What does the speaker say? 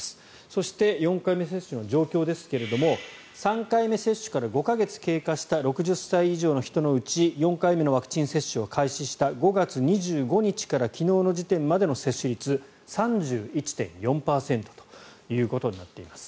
そして、４回目接種の状況ですが３回目接種から５か月経過した６０歳以上の人のうち４回目のワクチン接種を開始した５月２５日から昨日時点前の接種率３１．４％ということになっています。